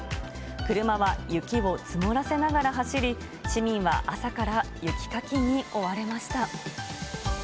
車は雪を積もらせながら走り、市民は朝から雪かきに追われました。